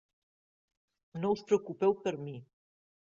No us preocupeu per mi.